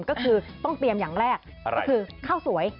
ก็คือต้องเตรียมอย่างแรกก็คือข้าวสวย